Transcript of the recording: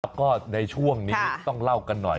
แล้วก็ในช่วงนี้ต้องเล่ากันหน่อย